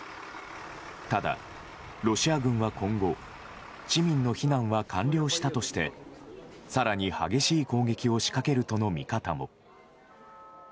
ただ、ロシア軍は今後市民の避難は完了したとして更に激しい攻撃を仕掛けるとの見方も。